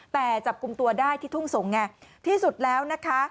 แต่จับกลุ่มตัวได้ที่ทุ่งสงศ์ไงที่สุดแล้วนะคะ